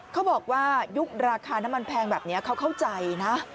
เขาบอกว่ายุคราคาน้ำมันแพงแบบนี้เขาเข้าใจนะ